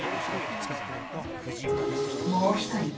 もう１人。